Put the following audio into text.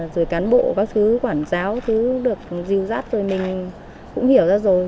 rồi cán bộ các thứ quản giáo thứ được dưu dắt rồi mình cũng hiểu ra rồi